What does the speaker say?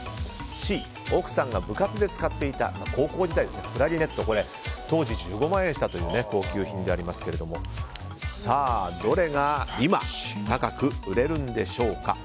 Ｃ、奥さんが部活で使っていたクラリネット。当時１５万円したという高級品でありますがどれが今高く売れるんでしょうか。